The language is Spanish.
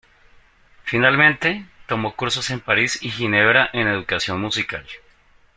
Finalmente, tomó cursos en París y Ginebra en educación musical.